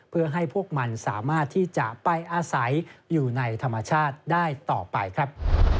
เพื่อให้พวกมันสามารถที่จะไปอาศัยอยู่ในธรรมชาติได้ต่อไปครับ